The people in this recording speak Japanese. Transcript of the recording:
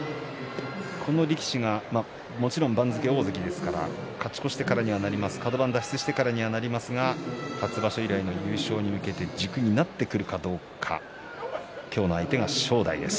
この力士はもちろん番付は大関ですから勝ち越してからにはなりますがカド番脱出してからにはなりますが初場所以来の優勝に向けて軸になってくるかどうか。